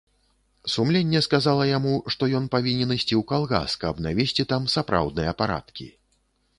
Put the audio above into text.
Сумленне сказала яму, што ён павінен ісці ў калгас, каб навесці там сапраўдныя парадкі.